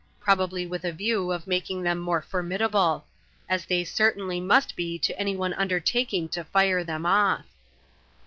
probably with a view of making them more formidable; as they certainly must be to any one undertaking to fire them off.